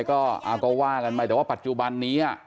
ก็ว่ากันไปแต่ว่าปัจจุบันนี้